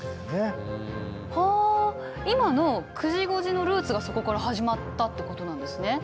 はあ今の９時５時のルーツがそこから始まったってことなんですね。